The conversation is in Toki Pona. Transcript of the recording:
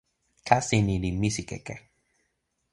kasi ni li misikeke.